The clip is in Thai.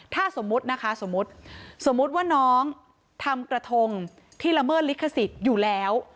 ถ้าสมมุตินะคะสมมุติสมมุติว่าน้องทำกระทงที่ละเมิดลิขสิทธิ์อยู่แล้ว